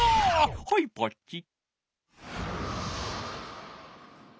はいポチッ。